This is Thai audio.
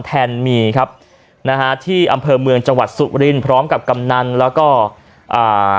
แทนมีครับนะฮะที่อำเภอเมืองจังหวัดสุรินพร้อมกับกำนันแล้วก็อ่า